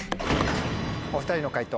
お２人の解答